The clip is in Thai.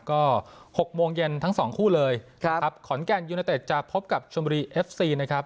ก็๖โมงเย็นทั้งสองคู่เลยครับขอนแก่นยูเนเต็ดจะพบกับชมบุรีเอฟซีนะครับ